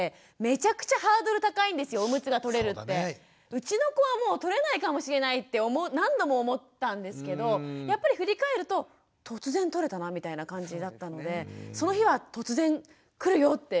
うちの子はもうとれないかもしれないって何度も思ったんですけどやっぱり振り返ると突然とれたなみたいな感じだったのでその日は突然来るよって言いたいですね。